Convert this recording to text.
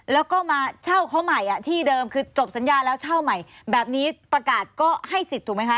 แล้วก็มาเช่าเขาใหม่ที่เดิมคือจบสัญญาแล้วเช่าใหม่แบบนี้ประกาศก็ให้สิทธิ์ถูกไหมคะ